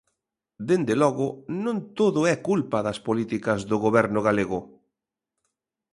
Dende logo, non todo é culpa das políticas do Goberno galego.